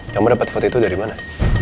kamu dapat foto itu dari mana